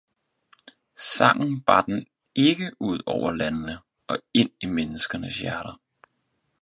sangen bar den ikke ud over landene og ind i menneskenes hjerter.